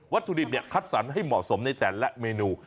วัตถุดิบเนี่ยคัดสรรค์ให้เหมาะสมในแต่ละเมนู